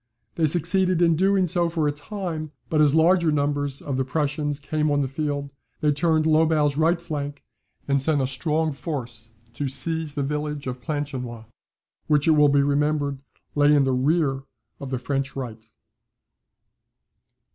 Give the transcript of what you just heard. They succeeded in doing so for a time; but as larger numbers of the Prussians came on the field, they turned Lobau's right flank, and sent a strong force to seize the village of Planchenoit, which, it will be remembered, lay in the rear of the French right.